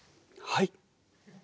はい。